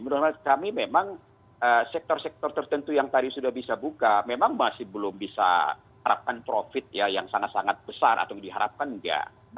menurut kami memang sektor sektor tertentu yang tadi sudah bisa buka memang masih belum bisa harapkan profit yang sangat sangat besar atau diharapkan enggak